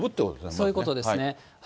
そういうことですね。